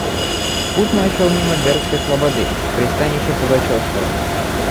Путь мой шел мимо Бердской слободы, пристанища пугачевского.